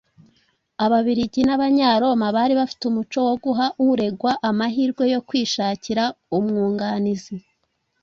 Abagiriki n’Abanyaroma bari bafite umuco wo guha uregwa amahirwe yo kwishakira umwunganizi